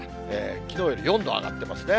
きのうより４度上がってますね。